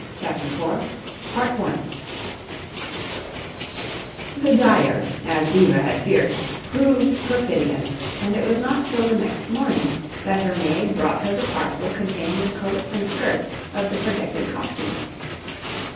CHAPTER FOUR The dyer, as Diva had feared, proved perfidious, and it was not till the next morning that her maid brought her the parcel containing the coat and skirt of the projected costume.